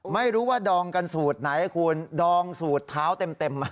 ไม่รู้ว่าดองกันสูตรไหนคุณดองสูตรเท้าเต็มมา